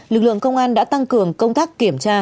lực lượng công an đã tăng cường công tác kiểm tra